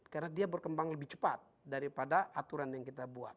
karena dia berkembang lebih cepat daripada aturan yang kita buat